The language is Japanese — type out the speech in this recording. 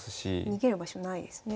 逃げる場所ないですね。